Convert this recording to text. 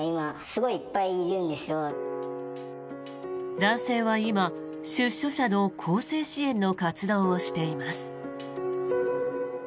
男性は今、出所者の更生支援の活動をしています。